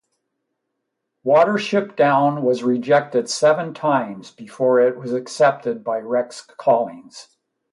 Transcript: "Watership Down" was rejected seven times before it was accepted by Rex Collings.